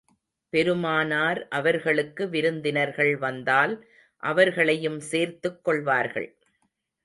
பெருமானார் அவர்களுக்கு விருந்தினர்கள் வந்தால், அவர்களையும் சேர்த்துக் கொள்வார்கள்.